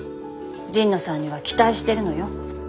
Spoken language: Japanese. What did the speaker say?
神野さんには期待してるのよ。